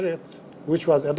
yang diadopsi pada saat itu